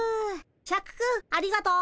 シャクくんありがとう。